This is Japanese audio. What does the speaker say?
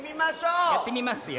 やってみますよ。